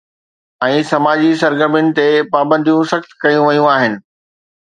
۽ سماجي سرگرمين تي پابنديون سخت ڪيون ويون آهن.